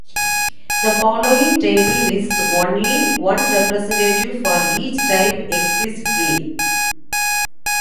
The following table lists only "one" representative for each type explicitly.